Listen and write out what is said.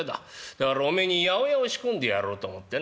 だからおめえに八百屋を仕込んでやろうと思ってな。